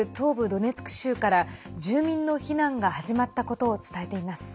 ドネツク州から住民の避難が始まったことを伝えています。